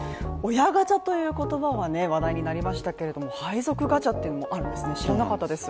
親ガチャという言葉は話題となりましたが配属ガチャというのもあるんですね、知らなかったです。